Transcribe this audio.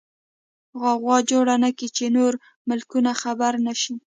غوغا جوړه نکې چې نور ملکونه خبر نشي.